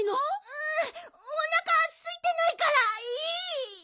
ううおなかすいてないからいい！